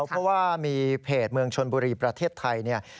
เพราะว่ามีเพจเมืองชนบุรีประเทศไทยเนี่ย